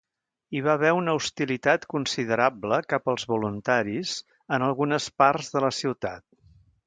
Hi va haver una hostilitat considerable cap als voluntaris en algunes parts de la ciutat.